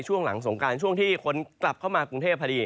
ช่วงที่คนกลับเข้ามากรุงเทพ